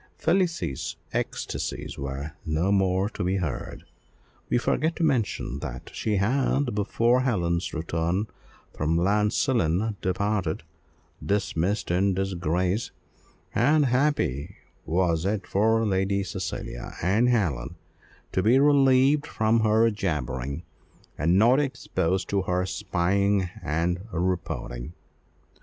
Felicie's ecstasies were no more to be heard: we forgot to mention that she had, before Helen's return from Llansillen, departed, dismissed in disgrace; and happy was it for Lady Cecilia and Helen to be relieved from her jabbering, and not exposed to her spying and reporting.